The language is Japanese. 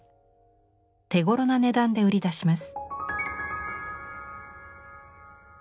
手ごろな値段で売り出します。